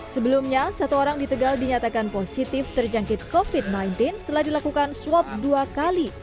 sebelumnya satu orang di tegal dinyatakan positif terjangkit covid sembilan belas setelah dilakukan swab dua kali